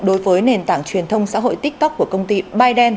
đối với nền tảng truyền thông xã hội tiktok của công ty biden